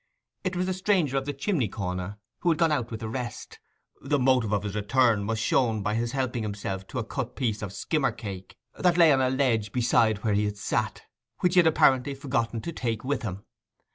It was the stranger of the chimney corner, who had gone out with the rest. The motive of his return was shown by his helping himself to a cut piece of skimmer cake that lay on a ledge beside where he had sat, and which he had apparently forgotten to take with him.